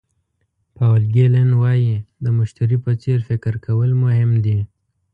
پاول ګیلن وایي د مشتري په څېر فکر کول مهم دي.